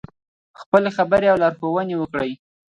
خپلې خبرې او لارښوونې وکړې.